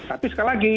tapi sekali lagi